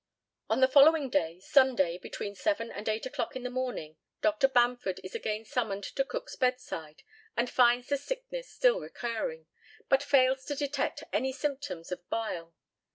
On the following day, Sunday, between 7 and 8 o'clock in the morning, Dr. Bamford is again summoned to Cook's bedside, and finds the sickness still recurring, but fails to detect any symptoms of bile.